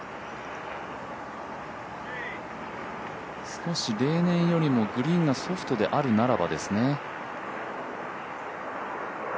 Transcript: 少し例年よりもグリーンがソフトであるならばですね。